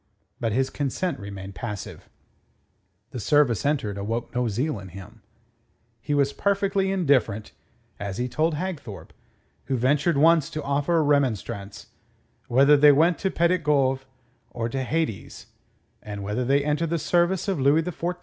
But his consent remained passive. The service entered awoke no zeal in him. He was perfectly indifferent as he told Hagthorpe, who ventured once to offer a remonstrance whether they went to Petit Goave or to Hades, and whether they entered the service of Louis XIV or of Satan.